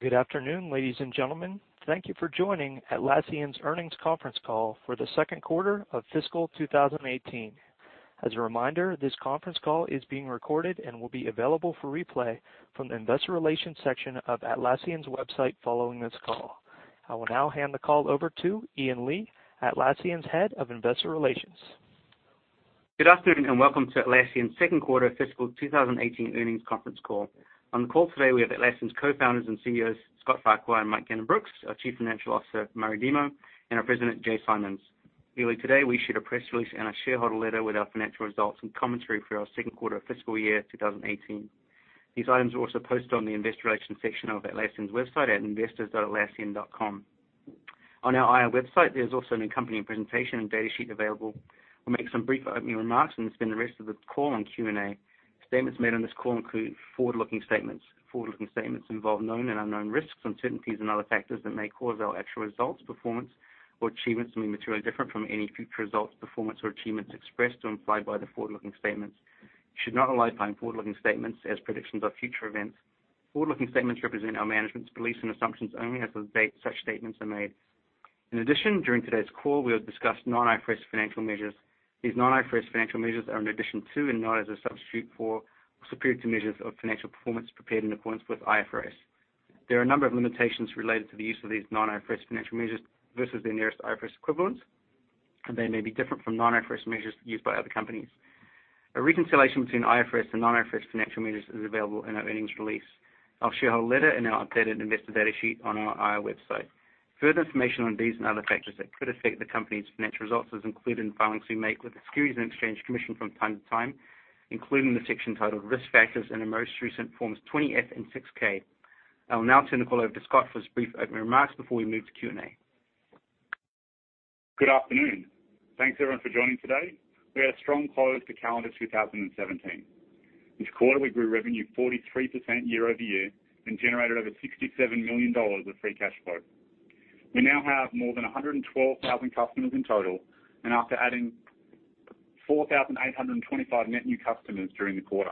Good afternoon, ladies and gentlemen. Thank you for joining Atlassian's earnings conference call for the second quarter of fiscal 2018. As a reminder, this conference call is being recorded and will be available for replay from the investor relations section of Atlassian's website following this call. I will now hand the call over to Ian Lee, Atlassian's Head of Investor Relations. Good afternoon, welcome to Atlassian's second quarter fiscal 2018 earnings conference call. On the call today, we have Atlassian's Co-Founders and Co-CEOs, Scott Farquhar and Mike Cannon-Brookes, our Chief Financial Officer, Murray Demo, and our President, Jay Simons. Earlier today, we issued a press release and a shareholder letter with our financial results and commentary for our second quarter of fiscal year 2018. These items are also posted on the investor relations section of Atlassian's website at investors.atlassian.com. On our IR website, there's also an accompanying presentation and data sheet available. We'll make some brief opening remarks then spend the rest of the call on Q&A. Statements made on this call include forward-looking statements. Forward-looking statements involve known and unknown risks, uncertainties, and other factors that may cause our actual results, performance, or achievements to be materially different from any future results, performance, or achievements expressed or implied by the forward-looking statements. You should not rely upon forward-looking statements as predictions of future events. Forward-looking statements represent our management's beliefs and assumptions only as of the date such statements are made. In addition, during today's call, we will discuss non-IFRS financial measures. These non-IFRS financial measures are in addition to, and not as a substitute for, or superior to measures of financial performance prepared in accordance with IFRS. There are a number of limitations related to the use of these non-IFRS financial measures versus their nearest IFRS equivalents, they may be different from non-IFRS measures used by other companies. A reconciliation between IFRS and non-IFRS financial measures is available in our earnings release, our shareholder letter, and our updated investor data sheet on our IR website. Further information on these and other factors that could affect the company's financial results is included in filings we make with the Securities and Exchange Commission from time to time, including the section titled Risk Factors in our most recent Forms 20-F and 6-K. I will now turn the call over to Scott for his brief opening remarks before we move to Q&A. Good afternoon. Thanks, everyone, for joining today. We had a strong close to calendar 2017. This quarter, we grew revenue 43% year-over-year and generated over $67 million of free cash flow. We now have more than 112,000 customers in total, and after adding 4,825 net new customers during the quarter.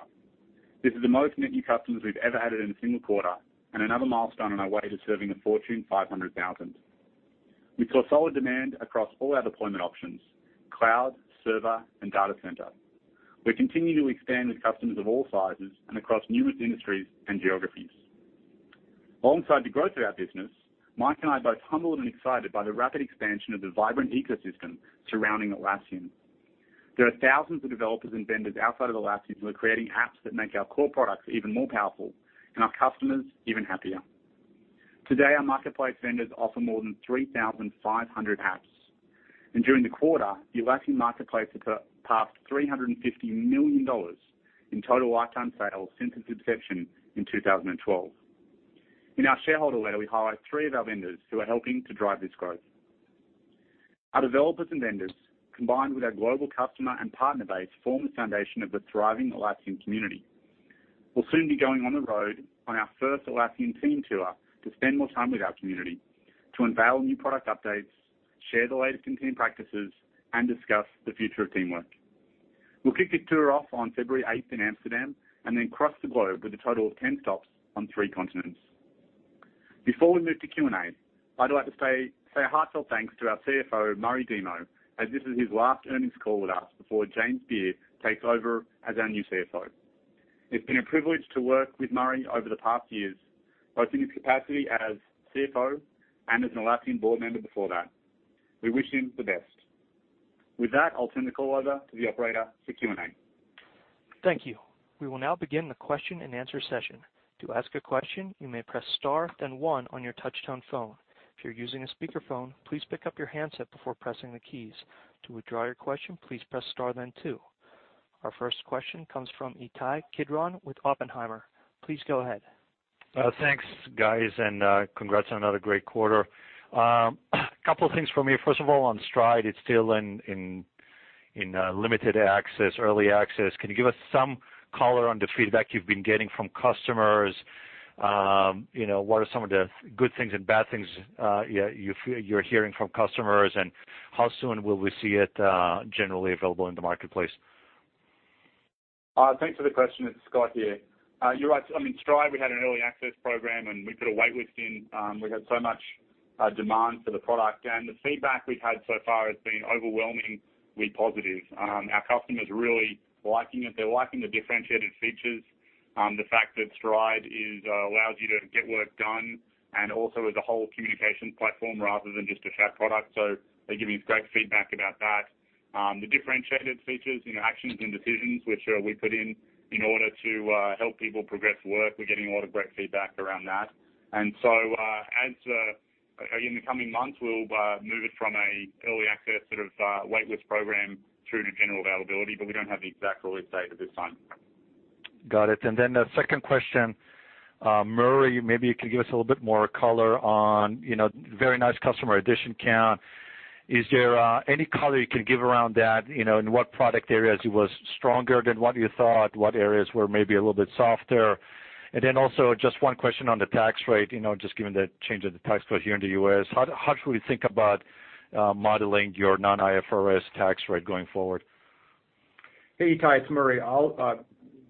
This is the most net new customers we've ever added in a single quarter and another milestone on our way to serving the Fortune 500,000. We saw solid demand across all our deployment options, cloud, server, and Data Center. We continue to expand with customers of all sizes and across numerous industries and geographies. Alongside the growth of our business, Mike and I are both humbled and excited by the rapid expansion of the vibrant ecosystem surrounding Atlassian. There are thousands of developers and vendors outside of Atlassian who are creating apps that make our core products even more powerful and our customers even happier. Today, our Marketplace vendors offer more than 3,500 apps, and during the quarter, the Atlassian Marketplace passed $350 million in total lifetime sales since its inception in 2012. In our shareholder letter, we highlight three of our vendors who are helping to drive this growth. Our developers and vendors, combined with our global customer and partner base, form the foundation of the thriving Atlassian community. We'll soon be going on the road on our first Atlassian Team Tour to spend more time with our community, to unveil new product updates, share the latest in team practices, and discuss the future of teamwork. We'll kick the tour off on February 8th in Amsterdam and then cross the globe with a total of 10 stops on three continents. Before we move to Q&A, I'd like to say a heartfelt thanks to our CFO, Murray Demo, as this is his last earnings call with us before James Beer takes over as our new CFO. It's been a privilege to work with Murray over the past years, both in his capacity as CFO and as an Atlassian board member before that. We wish him the best. With that, I'll turn the call over to the operator for Q&A. Thank you. We will now begin the question and answer session. To ask a question, you may press star, then one on your touch-tone phone. If you're using a speakerphone, please pick up your handset before pressing the keys. To withdraw your question, please press star, then two. Our first question comes from Ittai Kidron with Oppenheimer. Please go ahead. Thanks, guys, congrats on another great quarter. A couple of things from me. First of all, on Stride, it's still in limited access, early access. Can you give us some color on the feedback you've been getting from customers? What are some of the good things and bad things you're hearing from customers, how soon will we see it generally available in the Atlassian Marketplace? Thanks for the question. It's Scott here. You're right. I mean, Stride, we had an early access program, we put a wait list in. We had so much demand for the product. The feedback we've had so far has been overwhelmingly positive. Our customers are really liking it. They're liking the differentiated features, the fact that Stride allows you to get work done, also as a whole communication platform rather than just a chat product. They're giving us great feedback about that. The differentiated features, actions and decisions, which we put in in order to help people progress work, we're getting a lot of great feedback around that. In the coming months, we'll move it from an early access sort of wait list program through to general availability, but we don't have the exact release date at this time. Got it. The second question. Murray, maybe you could give us a little bit more color on very nice customer addition count. Is there any color you can give around that? In what product areas it was stronger than what you thought, what areas were maybe a little bit softer? Also just one question on the tax rate, just given the change of the tax code here in the U.S. How should we think about modeling your non-IFRS tax rate going forward? Hey, Ittai, it's Murray. I'll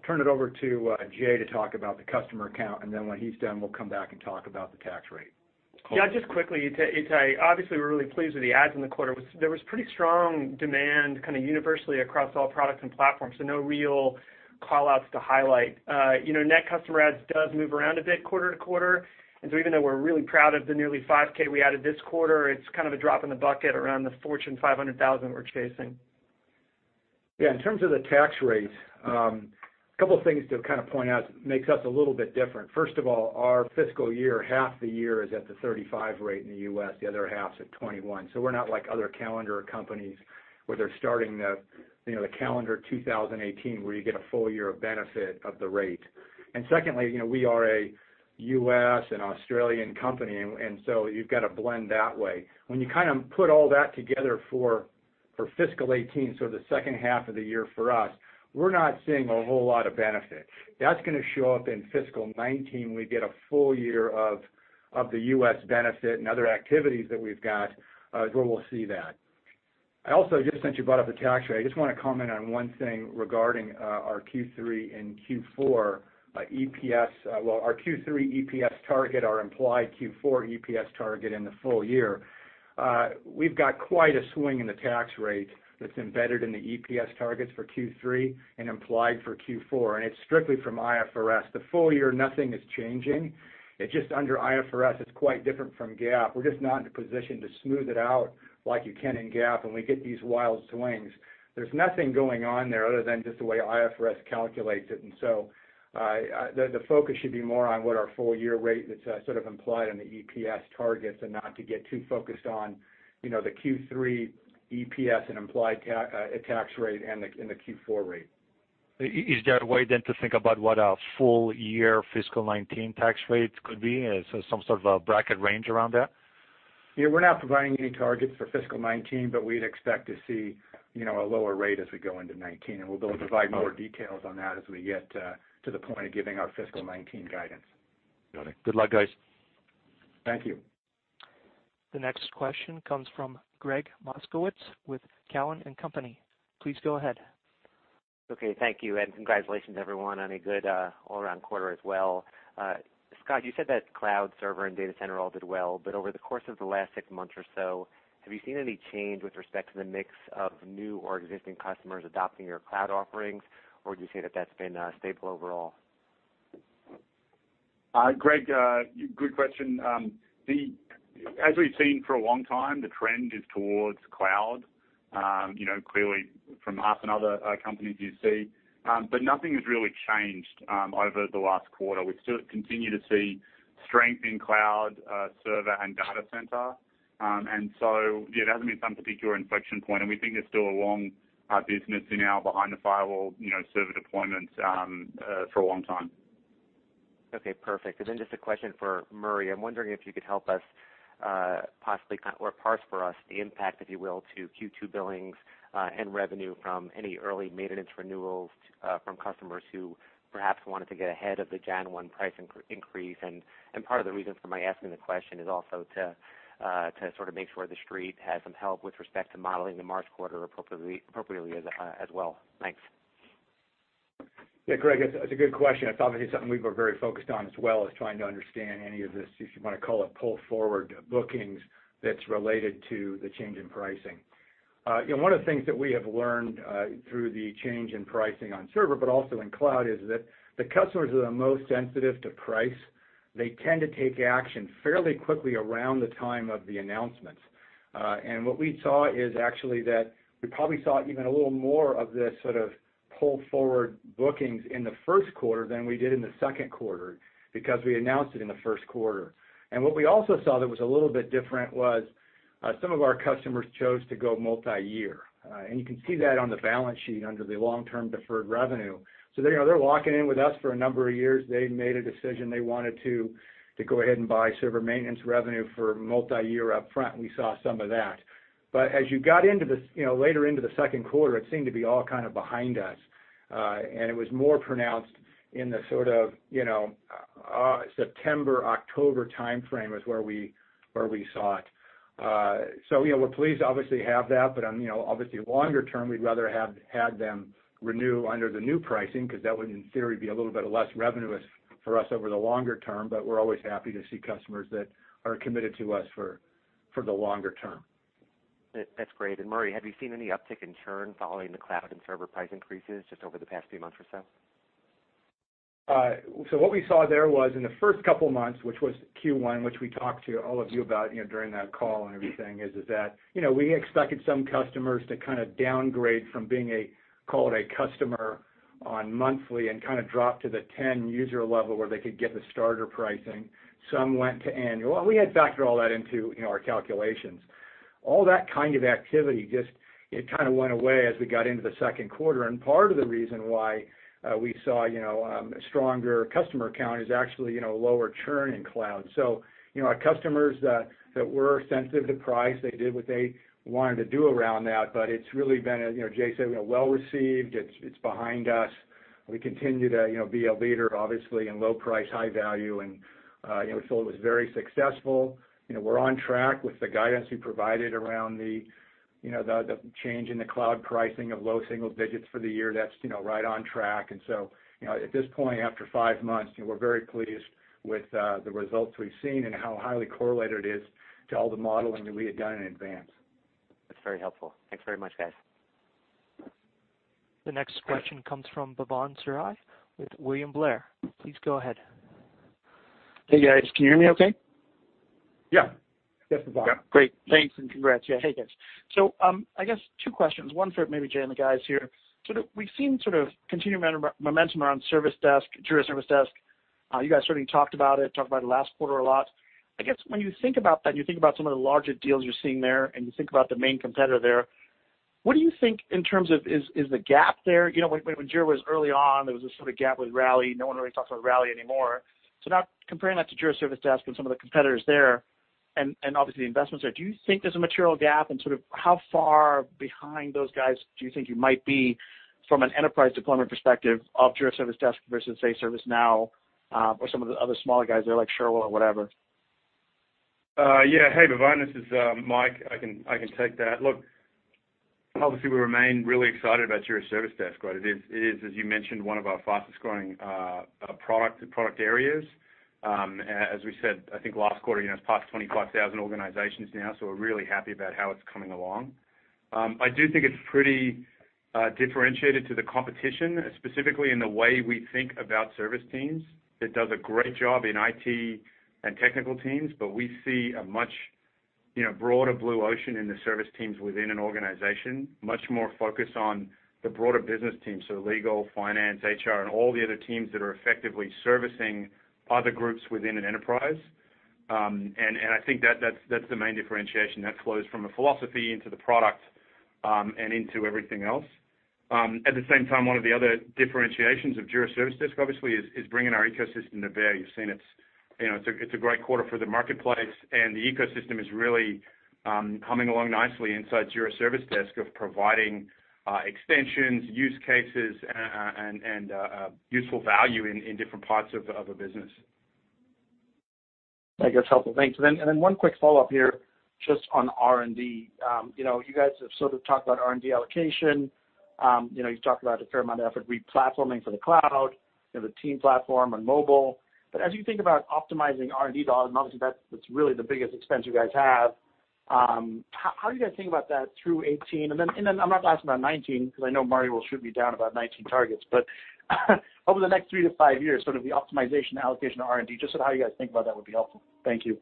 turn it over to Jay to talk about the customer count, when he's done, we'll come back and talk about the tax rate. Yeah, just quickly, Ittai. Obviously, we're really pleased with the adds in the quarter. There was pretty strong demand kind of universally across all products and platforms, so no real call-outs to highlight. Net customer adds does move around a bit quarter-to-quarter, even though we're really proud of the nearly 5,000 we added this quarter, it's kind of a drop in the bucket around the Fortune 500,000 we're chasing. Yeah. In terms of the tax rate, couple things to kind of point out, makes us a little bit different. First of all, our fiscal year, half the year is at the 35% rate in the U.S., the other half's at 21%. We're not like other calendar companies where they're starting the calendar 2018 where you get a full year of benefit of the rate. Secondly, we are a U.S. and Australian company you've got to blend that way. When you kind of put all that together for FY 2018, so the second half of the year for us, we're not seeing a whole lot of benefit. That's going to show up in FY 2019 when we get a full year of the U.S. benefit and other activities that we've got, is where we'll see that. I also just, since you brought up the tax rate, I just want to comment on one thing regarding our Q3 and Q4 EPS, our Q3 EPS target, our implied Q4 EPS target in the full year. We've got quite a swing in the tax rate that's embedded in the EPS targets for Q3 and implied for Q4, it's strictly from IFRS. The full year, nothing is changing. It's just under IFRS it's quite different from GAAP. We're just not in a position to smooth it out like you can in GAAP, we get these wild swings. There's nothing going on there other than just the way IFRS calculates it. The focus should be more on what our full-year rate that's sort of implied on the EPS targets and not to get too focused on the Q3 EPS and implied tax rate and the Q4 rate. Is there a way then to think about what a full-year fiscal 2019 tax rate could be? Some sort of a bracket range around that? Yeah. We're not providing any targets for fiscal 2019, but we'd expect to see a lower rate as we go into 2019, and we'll be able to provide more details on that as we get to the point of giving our fiscal 2019 guidance. Got it. Good luck, guys. Thank you. The next question comes from Gregg Moskowitz with Cowen and Company. Please go ahead. Okay. Thank you. Congratulations everyone on a good all around quarter as well. Scott, you said that cloud server and Data Center all did well, but over the course of the last six months or so, have you seen any change with respect to the mix of new or existing customers adopting your cloud offerings? Do you say that that's been stable overall? Gregg, good question. As we've seen for a long time, the trend is towards cloud. Clearly from us and other companies you see. Nothing has really changed over the last quarter. We continue to see strength in cloud, server, and Data Center. Yeah, there hasn't been some particular inflection point, we think there's still a long business in our behind-the-firewall server deployments for a long time. Okay, perfect. Just a question for Murray. I'm wondering if you could help us possibly kind of parse for us the impact, if you will, to Q2 billings and revenue from any early maintenance renewals from customers who perhaps wanted to get ahead of the January one price increase. Part of the reason for my asking the question is also to sort of make sure the Street has some help with respect to modeling the March quarter appropriately as well. Thanks. Yeah, Gregg, it's a good question. It's obviously something we were very focused on as well, is trying to understand any of this, if you want to call it pull forward bookings that's related to the change in pricing. One of the things that we have learned through the change in pricing on server, but also in cloud, is that the customers that are most sensitive to price, they tend to take action fairly quickly around the time of the announcements. What we saw is actually that we probably saw even a little more of the sort of pull forward bookings in the first quarter than we did in the second quarter because we announced it in the first quarter. What we also saw that was a little bit different was some of our customers chose to go multi-year. You can see that on the balance sheet under the long-term deferred revenue. They're locking in with us for a number of years. They made a decision they wanted to go ahead and buy server maintenance revenue for multi-year up front, and we saw some of that. As you got later into the second quarter, it seemed to be all kind of behind us. It was more pronounced in the sort of September, October timeframe is where we saw it. Yeah, we're pleased to obviously have that, but obviously longer term, we'd rather have had them renew under the new pricing because that would, in theory, be a little bit of less revenue for us over the longer term. We're always happy to see customers that are committed to us for the longer term. That's great. Murray, have you seen any uptick in churn following the cloud and server price increases just over the past few months or so? What we saw there was in the first couple of months, which was Q1, which we talked to all of you about during that call and everything, is that we expected some customers to kind of downgrade from being a, call it a customer on monthly and kind of drop to the 10-user level where they could get the starter pricing. Some went to annual. We had factored all that into our calculations. All that kind of activity just kind of went away as we got into the second quarter, part of the reason why we saw a stronger customer count is actually lower churn in cloud. Our customers that were sensitive to price, they did what they wanted to do around that, but it's really been, as Jay said, well-received. It's behind us. We continue to be a leader, obviously, in low price, high value, it was very successful. We're on track with the guidance we provided around the change in the cloud pricing of low single digits for the year. That's right on track. At this point, after five months, we're very pleased with the results we've seen and how highly correlated it is to all the modeling that we had done in advance. That's very helpful. Thanks very much, guys. The next question comes from Bhavan Suri with William Blair. Please go ahead. Hey, guys. Can you hear me okay? Yeah. Yes, Bhavan. Great. Thanks, and congrats. Yeah. Hey, guys. I guess two questions, one for maybe Jay and the guys here. We've seen sort of continuing momentum around Service Desk, Jira Service Desk. You guys certainly talked about it last quarter a lot. I guess when you think about that, and you think about some of the larger deals you're seeing there, and you think about the main competitor there, what do you think in terms of, is the gap there? When Jira was early on, there was this sort of gap with Rally. No one really talks about Rally anymore. Now comparing that to Jira Service Desk and some of the competitors there, and obviously the investments there, do you think there's a material gap, and sort of how far behind those guys do you think you might be from an enterprise deployment perspective of Jira Service Desk versus, say, ServiceNow, or some of the other smaller guys there, like Cherwell or whatever? Yeah. Hey, Bhavan, this is Mike. I can take that. Look, obviously, we remain really excited about Jira Service Desk. It is, as you mentioned, one of our fastest-growing product areas. As we said, I think last quarter, it's past 25,000 organizations now, so we're really happy about how it's coming along. I do think it's pretty differentiated to the competition, specifically in the way we think about service teams. It does a great job in IT and technical teams, but we see a much broader blue ocean in the service teams within an organization, much more focused on the broader business teams, so legal, finance, HR, and all the other teams that are effectively servicing other groups within an enterprise. I think that's the main differentiation that flows from a philosophy into the product, and into everything else. At the same time, one of the other differentiations of Jira Service Desk, obviously, is bringing our ecosystem to bear. It's a great quarter for the marketplace, and the ecosystem is really coming along nicely inside Jira Service Desk of providing extensions, use cases, and useful value in different parts of a business. I guess helpful. Thanks. One quick follow-up here just on R&D. You guys have sort of talked about R&D allocation. You've talked about a fair amount of effort re-platforming for the cloud. You have a team platform on mobile. As you think about optimizing R&D dollars, and obviously that's really the biggest expense you guys have, how are you guys thinking about that through 2018? I'm not going to ask about 2019, because I know Murray will shoot me down about 2019 targets. Over the next three to five years, sort of the optimization allocation of R&D, just sort of how you guys think about that would be helpful. Thank you.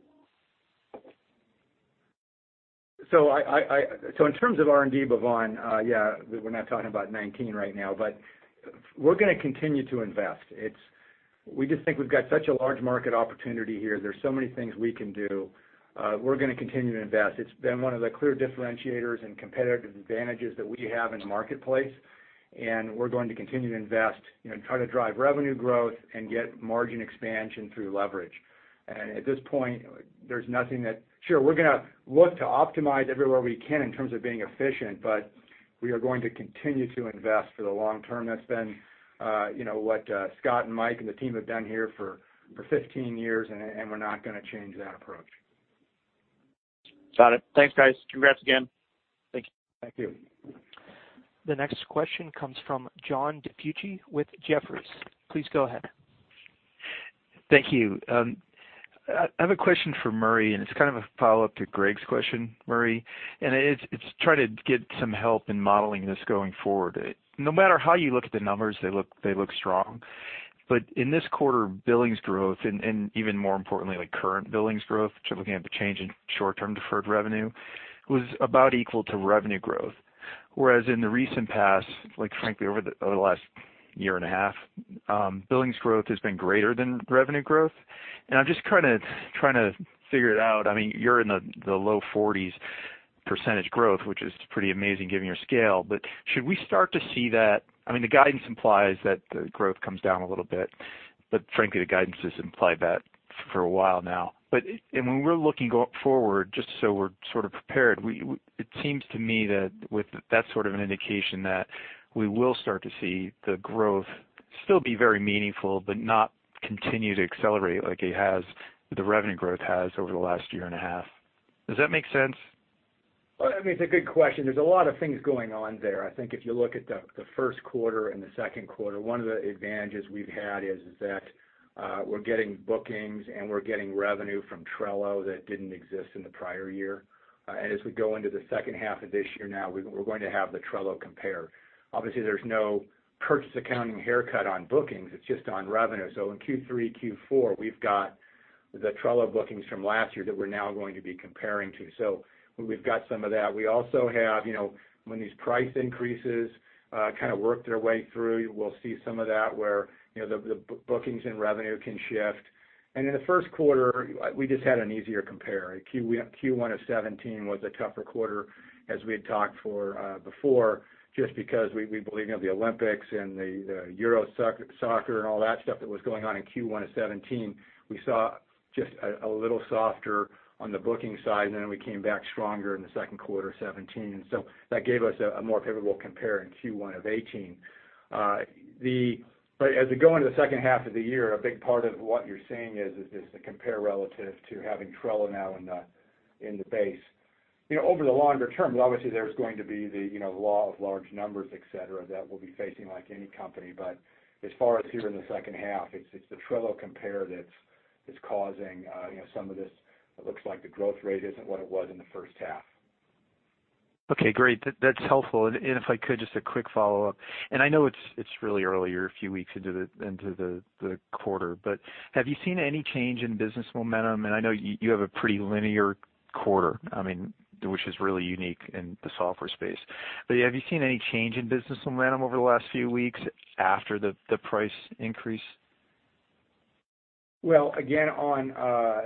In terms of R&D, Bhavan, yeah, we're not talking about 2019 right now, we're going to continue to invest. We just think we've got such a large market opportunity here. There's so many things we can do. We're going to continue to invest. It's been one of the clear differentiators and competitive advantages that we have in the marketplace, and we're going to continue to invest, try to drive revenue growth and get margin expansion through leverage. Sure, we're going to look to optimize everywhere we can in terms of being efficient, we are going to continue to invest for the long term. That's been what Scott and Mike and the team have done here for 15 years, and we're not going to change that approach. Got it. Thanks, guys. Congrats again. Thank you. Thank you. The next question comes from John DiFucci with Jefferies. Please go ahead. Thank you. I have a question for Murray. It's kind of a follow-up to Gregg's question, Murray. It's try to get some help in modeling this going forward. No matter how you look at the numbers, they look strong. In this quarter, billings growth and even more importantly, like current billings growth, looking at the change in short-term deferred revenue, was about equal to revenue growth. Whereas in the recent past, like frankly, over the last year and a half, billings growth has been greater than revenue growth, I'm just kind of trying to figure it out. I mean, you're in the low 40s % growth, which is pretty amazing given your scale. Should we start to see that, I mean, the guidance implies that the growth comes down a little bit, but frankly, the guidance has implied that for a while now. When we're looking forward, just so we're sort of prepared, it seems to me that with that sort of an indication that we will start to see the growth still be very meaningful, but not continue to accelerate like the revenue growth has over the last year and a half. Does that make sense? Well, I mean, it's a good question. There's a lot of things going on there. I think if you look at the first quarter and the second quarter, one of the advantages we've had is that we're getting bookings and we're getting revenue from Trello that didn't exist in the prior year. As we go into the second half of this year now, we're going to have the Trello compare. Obviously, there's no purchase accounting haircut on bookings, it's just on revenue. In Q3, Q4, we've got the Trello bookings from last year that we're now going to be comparing to. We've got some of that. We also have when these price increases kind of work their way through, we'll see some of that where the bookings and revenue can shift. In the first quarter, we just had an easier compare. Q1 of 2017 was a tougher quarter as we had talked before, just because we believe the Olympics and the Euro soccer and all that stuff that was going on in Q1 of 2017, we saw just a little softer on the booking side, and then we came back stronger in the second quarter of 2017. That gave us a more favorable compare in Q1 of 2018. As we go into the second half of the year, a big part of what you're seeing is the compare relative to having Trello now in the base. Over the longer term, obviously there's going to be the law of large numbers, et cetera, that we'll be facing like any company. As far as here in the second half, it's the Trello compare that's causing some of this. It looks like the growth rate isn't what it was in the first half. Okay, great. That's helpful. If I could, just a quick follow-up. I know it's really early. You're a few weeks into the quarter. Have you seen any change in business momentum? I know you have a pretty linear quarter, which is really unique in the software space. Have you seen any change in business momentum over the last few weeks after the price increase? Well, again,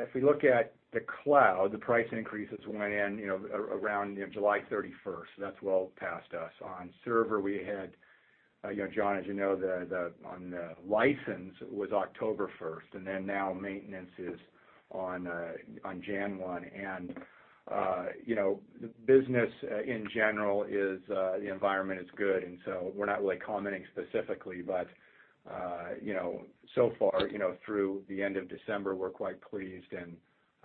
if we look at the cloud, the price increases went in around July 31st. That's well past us. On server, we had, John, as you know, on the license was October 1st. Now maintenance is on January 1. The business in general is, the environment is good. We're not really commenting specifically, but so far, through the end of December, we're quite pleased, and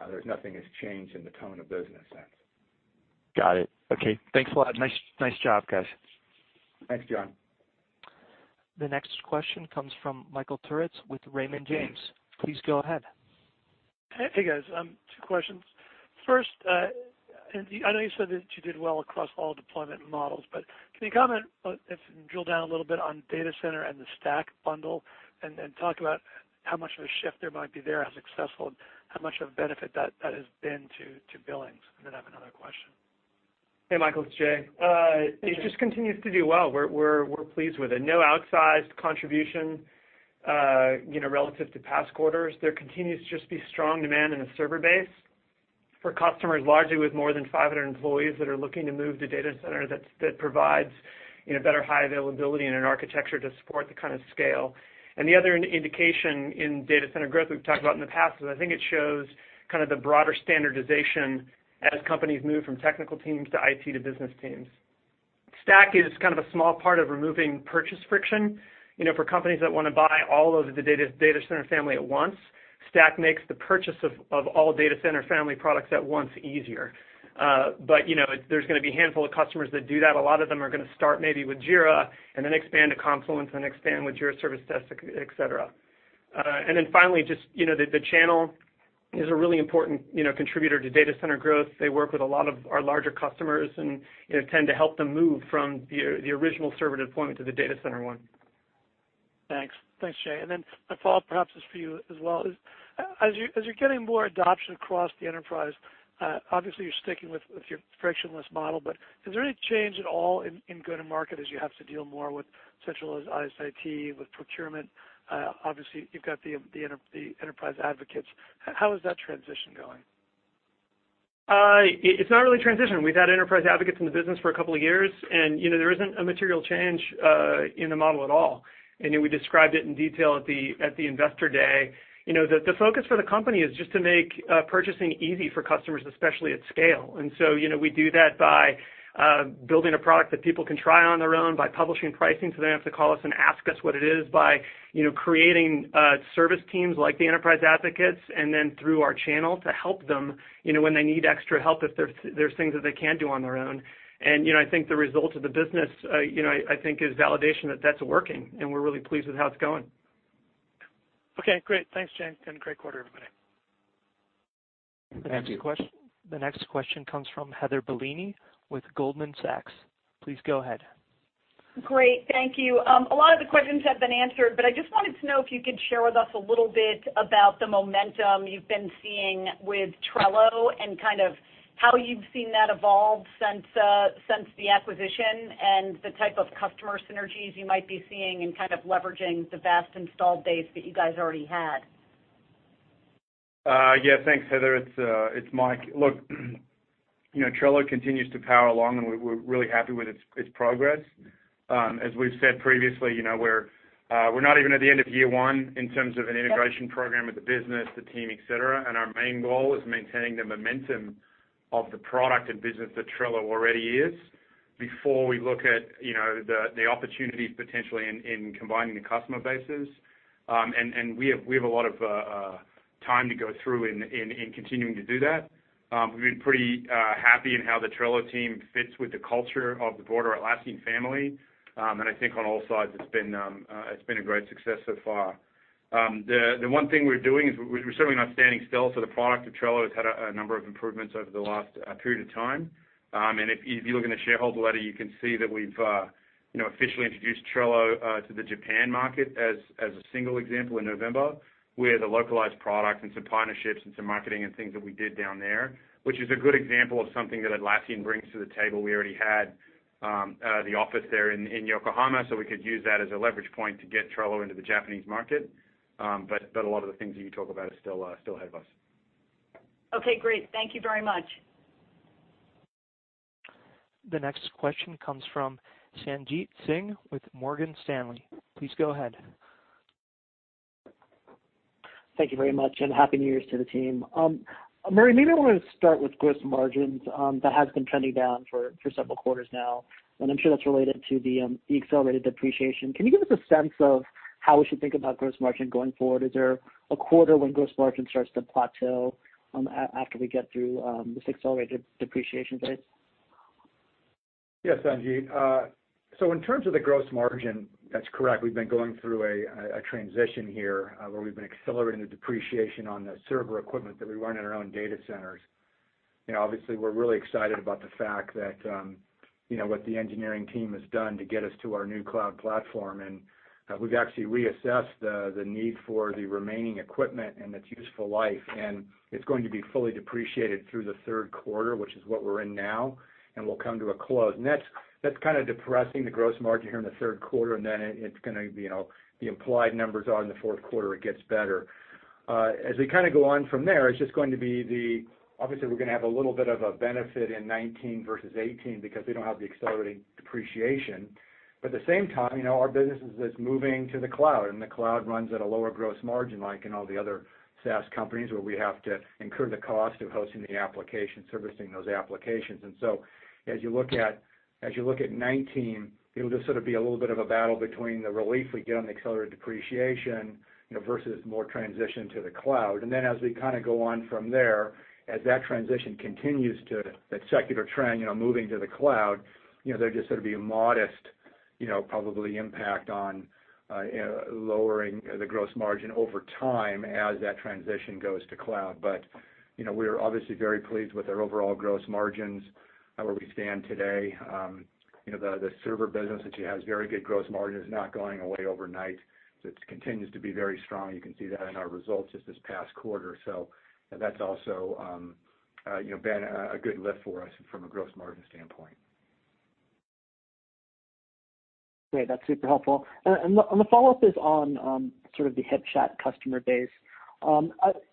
there's nothing that's changed in the tone of business sense. Got it. Okay. Thanks a lot. Nice job, guys. Thanks, John. The next question comes from Michael Turrin with Raymond James. Please go ahead. Hey, guys. Two questions. First, I know you said that you did well across all deployment models. Can you comment, if you can drill down a little bit on Data Center and the Stack bundle, and talk about how much of a shift there might be there, how successful, how much of a benefit that has been to billings? I have another question. Hey, Michael, it's Jay. It just continues to do well. We're pleased with it. No outsized contribution, relative to past quarters. There continues to just be strong demand in the server base for customers largely with more than 500 employees that are looking to move to Data Center that provides better high availability and an architecture to support the kind of scale. The other indication in Data Center growth we've talked about in the past is I think it shows the broader standardization as companies move from technical teams to IT to business teams. Stack is a small part of removing purchase friction. For companies that want to buy all of the Data Center family at once, Stack makes the purchase of all Data Center family products at once easier. There's going to be a handful of customers that do that. A lot of them are going to start maybe with Jira and then expand to Confluence and expand with Jira Service Desk, et cetera. Finally, just the channel is a really important contributor to Data Center growth. They work with a lot of our larger customers and tend to help them move from the original server deployment to the Data Center one. Thanks. Thanks, Jay. My follow-up, perhaps, is for you as well. As you're getting more adoption across the enterprise, obviously you're sticking with your frictionless model, but is there any change at all in go-to-market as you have to deal more with centralized IT, with procurement? Obviously, you've got the enterprise advocates. How is that transition going? It's not really a transition. We've had enterprise advocates in the business for a couple of years, and there isn't a material change in the model at all. We described it in detail at the Investor Day. The focus for the company is just to make purchasing easy for customers, especially at scale. We do that by building a product that people can try on their own, by publishing pricing, so they don't have to call us and ask us what it is, by creating service teams like the enterprise advocates, and then through our channel to help them when they need extra help if there's things that they can't do on their own. I think the results of the business, I think, is validation that that's working, and we're really pleased with how it's going. Okay, great. Thanks, Jay, and great quarter, everybody. Thank you. The next question comes from Heather Bellini with Goldman Sachs. Please go ahead. Great. Thank you. A lot of the questions have been answered, I just wanted to know if you could share with us a little bit about the momentum you've been seeing with Trello, and how you've seen that evolve since the acquisition, and the type of customer synergies you might be seeing in leveraging the vast installed base that you guys already had. Thanks, Heather. It's Mike. Look, Trello continues to power along, and we're really happy with its progress. As we've said previously, we're not even at the end of year one in terms of an integration program with the business, the team, et cetera, our main goal is maintaining the momentum of the product and business that Trello already is before we look at the opportunities potentially in combining the customer bases. We have a lot of time to go through in continuing to do that. We've been pretty happy in how the Trello team fits with the culture of the broader Atlassian family. I think on all sides, it's been a great success so far. The one thing we're doing is we're certainly not standing still. The product of Trello has had a number of improvements over the last period of time. If you look in the shareholder letter, you can see that we've officially introduced Trello to the Japan market as a single example in November with a localized product and some partnerships and some marketing and things that we did down there, which is a good example of something that Atlassian brings to the table. We already had the office there in Yokohama, so we could use that as a leverage point to get Trello into the Japanese market. A lot of the things that you talk about are still ahead of us. Okay, great. Thank you very much. The next question comes from Sanjit Singh with Morgan Stanley. Please go ahead. Thank you very much, and Happy New Year to the team. Murray, maybe I want to start with gross margins. That has been trending down for several quarters now, and I'm sure that's related to the accelerated depreciation. Can you give us a sense of how we should think about gross margin going forward? Is there a quarter when gross margin starts to plateau after we get through the accelerated depreciation phase? Yes, Sanjit. In terms of the gross margin, that's correct. We've been going through a transition here, where we've been accelerating the depreciation on the server equipment that we run in our own data centers. Obviously, we're really excited about the fact that what the engineering team has done to get us to our new cloud platform, and we've actually reassessed the need for the remaining equipment and its useful life, and it's going to be fully depreciated through the third quarter, which is what we're in now, and will come to a close. That's kind of depressing the gross margin here in the third quarter, and then the implied numbers are in the fourth quarter, it gets better. As we go on from there, obviously, we're going to have a little bit of a benefit in 2019 versus 2018 because we don't have the accelerated depreciation. At the same time, our business is moving to the cloud, and the cloud runs at a lower gross margin, like in all the other SaaS companies, where we have to incur the cost of hosting the application, servicing those applications. As you look at 2019, it'll just sort of be a little bit of a battle between the relief we get on the accelerated depreciation versus more transition to the cloud. As we go on from there, as that transition continues to that secular trend, moving to the cloud, there'll just sort of be a modest probably impact on lowering the gross margin over time as that transition goes to cloud. We are obviously very pleased with our overall gross margins, where we stand today. The server business that you have is very good gross margin. It's not going away overnight. It continues to be very strong. You can see that in our results just this past quarter. That's also been a good lift for us from a gross margin standpoint. Great. That's super helpful. The follow-up is on sort of the HipChat customer base.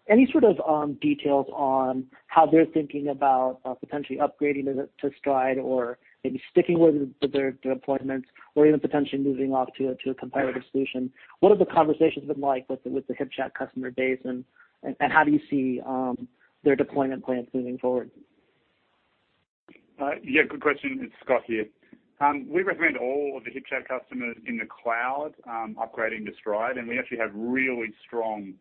Any sort of details on how they're thinking about potentially upgrading to Stride or maybe sticking with their deployments or even potentially moving off to a competitive solution? What have the conversations been like with the HipChat customer base, and how do you see their deployment plans moving forward? Yeah, good question. It's Scott here. We recommend all of the HipChat customers in the cloud upgrading to Stride, we actually have really strong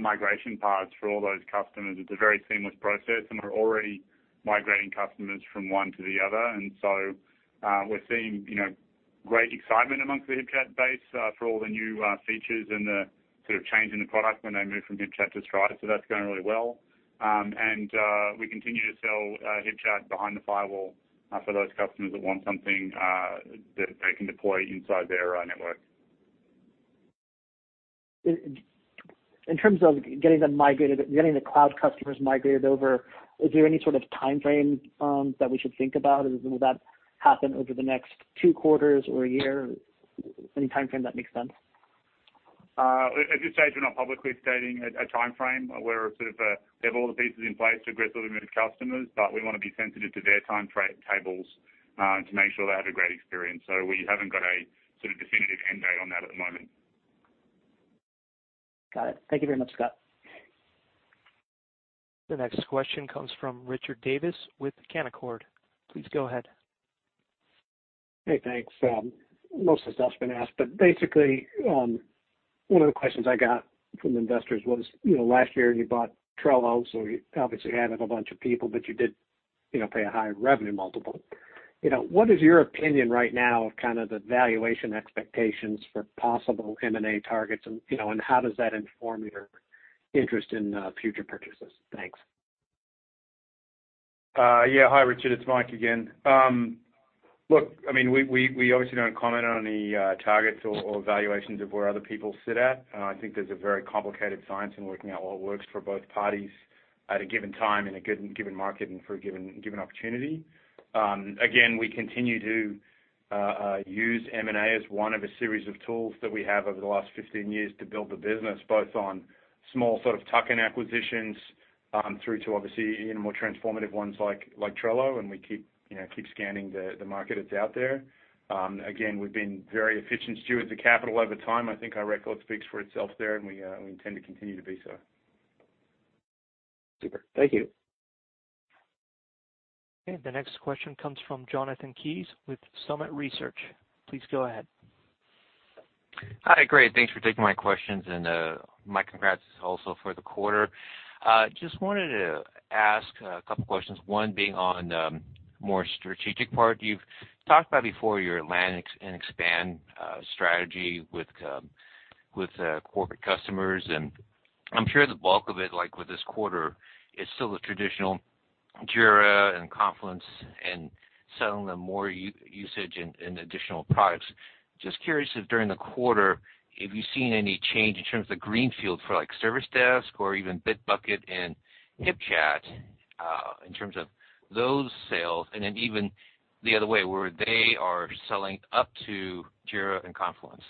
migration paths for all those customers. It's a very seamless process, we're already migrating customers from one to the other. We're seeing great excitement amongst the HipChat base for all the new features and the sort of change in the product when they move from HipChat to Stride, that's going really well. We continue to sell HipChat behind the firewall for those customers that want something that they can deploy inside their network. In terms of getting the cloud customers migrated over, is there any sort of timeframe that we should think about? Will that happen over the next two quarters or a year? Any timeframe that makes sense? At this stage, we're not publicly stating a timeframe. We have all the pieces in place to aggressively move customers, we want to be sensitive to their timetables to make sure they have a great experience. We haven't got a sort of definitive end date on that at the moment. Got it. Thank you very much, Scott. The next question comes from Richard Davis with Canaccord. Please go ahead. Hey, thanks. Most of the stuff's been asked, but basically, one of the questions I got from investors was, last year you bought Trello, so you obviously added a bunch of people, but you did pay a higher revenue multiple. What is your opinion right now of kind of the valuation expectations for possible M&A targets, and how does that inform your interest in future purchases? Thanks. Yeah. Hi, Richard. It's Mike again. Look, we obviously don't comment on any targets or valuations of where other people sit at. I think there's a very complicated science in working out what works for both parties at a given time in a given market and for a given opportunity. Again, we continue to use M&A as one of a series of tools that we have over the last 15 years to build the business, both on small sort of tuck-in acquisitions through to obviously more transformative ones like Trello. We keep scanning the market that's out there. Again, we've been very efficient stewards of capital over time. I think our record speaks for itself there. We intend to continue to be so. Super. Thank you. Okay, the next question comes from Jonathan Kees with Summit Research. Please go ahead. Hi. Great. Thanks for taking my questions, and my congrats also for the quarter. Just wanted to ask 2 questions, one being on the more strategic part. You've talked about before your land and expand strategy with corporate customers, and I'm sure the bulk of it, like with this quarter, is still the traditional Jira and Confluence and selling them more usage and additional products. Just curious if during the quarter, if you've seen any change in terms of the greenfield for like Service Desk or even Bitbucket and HipChat in terms of those sales, and then even the other way, where they are selling up to Jira and Confluence.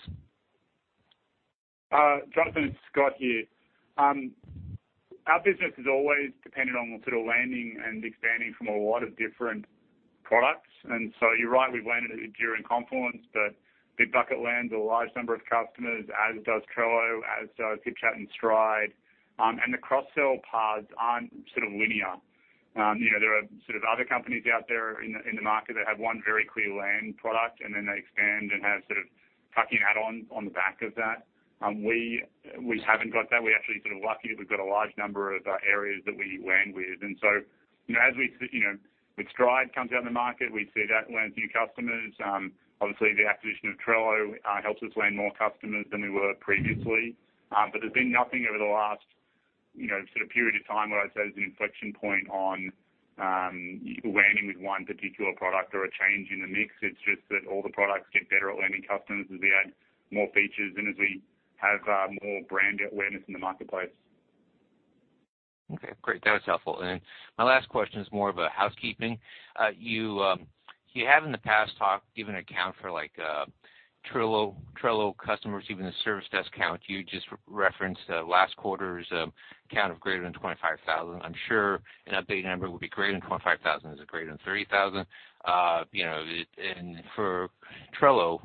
Jonathan, it's Scott here. Our business has always depended on sort of landing and expanding from a lot of different products. You're right, we've landed at Jira and Confluence, but Bitbucket lands a large number of customers, as does Trello, as does HipChat and Stride. The cross-sell paths aren't sort of linear. There are other companies out there in the market that have one very clear land product, and then they expand and have tuck-in add-ons on the back of that. We haven't got that. We're actually lucky that we've got a large number of areas that we land with. As Stride comes out in the market, we see that lands new customers. Obviously, the acquisition of Trello helps us land more customers than we were previously. There's been nothing over the last period of time where I'd say there's an inflection point on landing with one particular product or a change in the mix. It's just that all the products get better at landing customers as we add more features and as we have more brand awareness in the marketplace. Okay, great. That was helpful. My last question is more of a housekeeping. You have in the past talk, given account for Trello customers, even the Service Desk count. You just referenced last quarter's count of greater than 25,000. I'm sure an updated number will be greater than 25,000. Is it greater than 30,000? For Trello,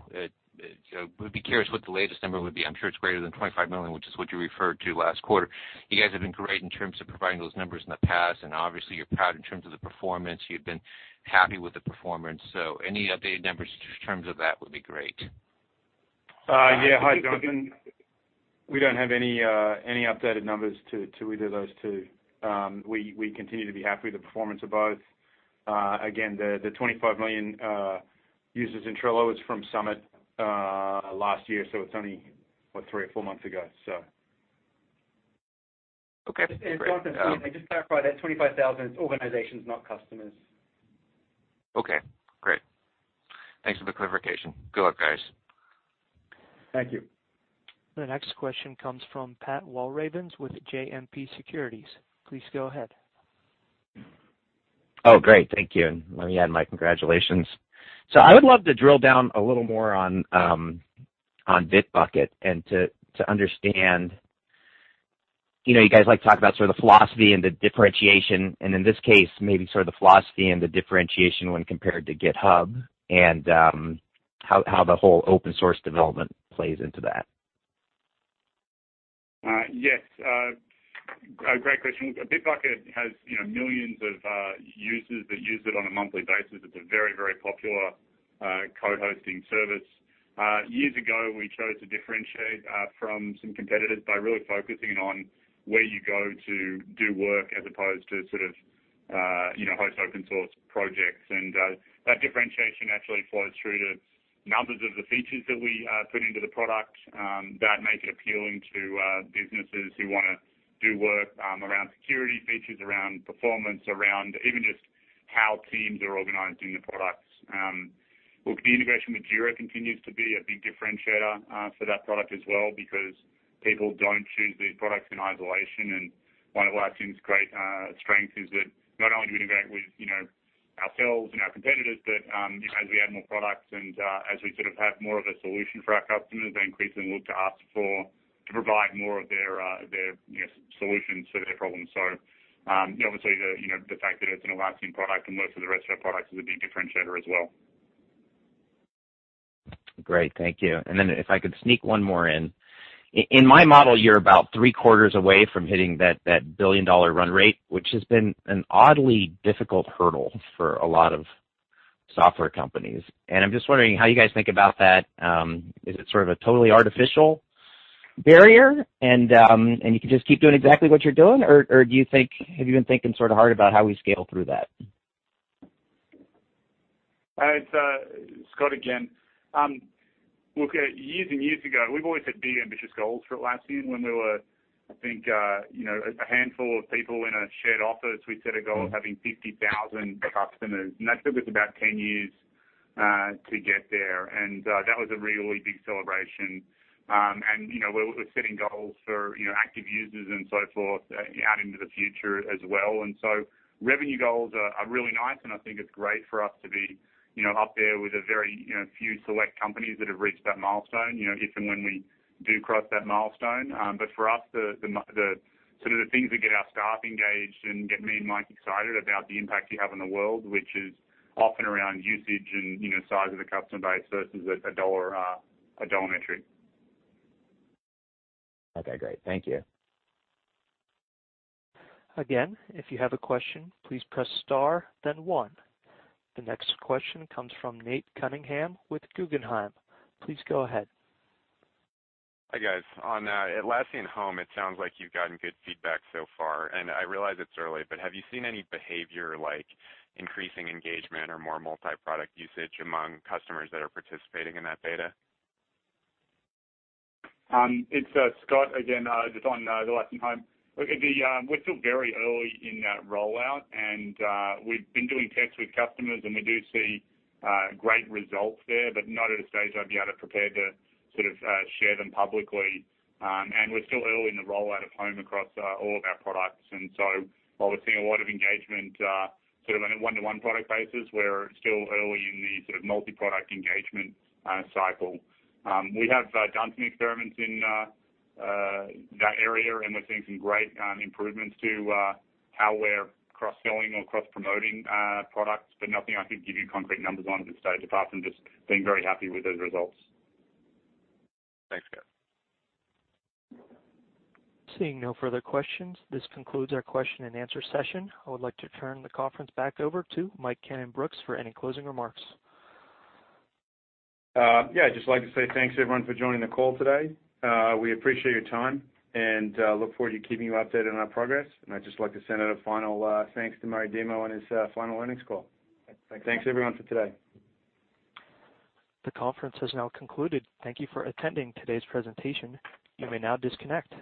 would be curious what the latest number would be. I'm sure it's greater than 25 million, which is what you referred to last quarter. You guys have been great in terms of providing those numbers in the past, and obviously you're proud in terms of the performance. You've been happy with the performance. Any updated numbers in terms of that would be great. Yeah. Hi, Duncan. We don't have any updated numbers to either those two. We continue to be happy with the performance of both. Again, the 25 million users in Trello is from Summit last year, so it's only, what, three or four months ago. Okay, great. Jonathan, let me just clarify that 25,000 is organizations, not customers. Okay, great. Thanks for the clarification. Good luck, guys. Thank you. The next question comes from Patrick Walravens with JMP Securities. Please go ahead. Oh, great. Thank you. Let me add my congratulations. I would love to drill down a little more on Bitbucket and to understand, you guys like to talk about sort of the philosophy and the differentiation, and in this case, maybe sort of the philosophy and the differentiation when compared to GitHub and how the whole open source development plays into that. Yes. Great question. Bitbucket has millions of users that use it on a monthly basis. It's a very popular co-hosting service. Years ago, we chose to differentiate from some competitors by really focusing on where you go to do work as opposed to host open source projects. That differentiation actually flows through to numbers of the features that we put into the product, that make it appealing to businesses who want to do work around security features, around performance, around even just how teams are organized in the products. Look, the integration with Jira continues to be a big differentiator for that product as well because people don't choose these products in isolation. One of Atlassian's great strengths is that not only do we integrate with ourselves and our competitors, but as we add more products and as we have more of a solution for our customers, they increasingly look to us to provide more of their solutions to their problems. Obviously the fact that it's an Atlassian product and most of the rest of our products is a big differentiator as well. Great. Thank you. Then if I could sneak one more in. In my model, you're about three quarters away from hitting that billion-dollar run rate, which has been an oddly difficult hurdle for a lot of software companies. I'm just wondering how you guys think about that. Is it sort of a totally artificial barrier and you can just keep doing exactly what you're doing? Have you been thinking sort of hard about how we scale through that? It's Scott again. Look, years ago, we've always had big, ambitious goals for Atlassian. When we were, I think, a handful of people in a shared office, we set a goal of having 50,000 customers, and that took us about 10 years to get there. That was a really big celebration. We're setting goals for active users and so forth out into the future as well. So revenue goals are really nice, and I think it's great for us to be up there with a very few select companies that have reached that milestone, if and when we do cross that milestone. For us, the things that get our staff engaged and get me and Mike excited about the impact you have on the world, which is often around usage and size of the customer base versus a dollar metric. Okay, great. Thank you. Again, if you have a question, please press star then one. The next question comes from Nate Cunningham with Guggenheim. Please go ahead. Hi, guys. On Atlassian Home, it sounds like you've gotten good feedback so far, and I realize it's early, but have you seen any behavior like increasing engagement or more multi-product usage among customers that are participating in that beta? It's Scott again. Just on the Atlassian Home. Look, we're still very early in that rollout, and we've been doing tests with customers, and we do see great results there, but not at a stage I'd be able to prepare to share them publicly. We're still early in the rollout of Home across all of our products, and so while we're seeing a lot of engagement on a one-to-one product basis, we're still early in the multi-product engagement cycle. We have done some experiments in that area, and we're seeing some great improvements to how we're cross-selling or cross-promoting products, but nothing I could give you concrete numbers on at this stage, apart from just being very happy with those results. Thanks, Scott. Seeing no further questions, this concludes our question and answer session. I would like to turn the conference back over to Mike Cannon-Brookes for any closing remarks. Yeah, I'd just like to say thanks everyone for joining the call today. We appreciate your time and look forward to keeping you updated on our progress. I'd just like to send out a final thanks to Murray Demo on his final earnings call. Thanks. Thanks, everyone, for today. The conference has now concluded. Thank you for attending today's presentation. You may now disconnect.